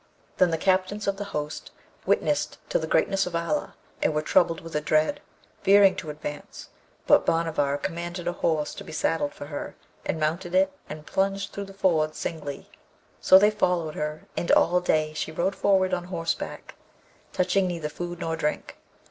Then the Captains of the host witnessed to the greatness of Allah, and were troubled with a dread, fearing to advance; but Bhanavar commanded a horse to be saddled for her, and mounted it, and plunged through the ford singly; so they followed her, and all day she rode forward on horseback, touching neither food nor drink.